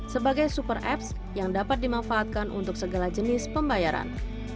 sebagai super apps yang dapat dimanfaatkan untuk segala jenis pembayaran